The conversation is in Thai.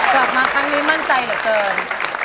กลับมาครั้งนี้มั่นใจเหลือเกิน